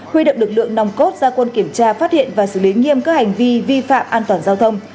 huy động lực lượng nòng cốt gia quân kiểm tra phát hiện và xử lý nghiêm các hành vi vi phạm an toàn giao thông